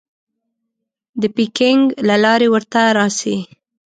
د پیکنګ له لارې ورته راسې.